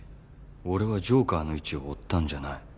俺はジョーカーの位置を追ったんじゃない。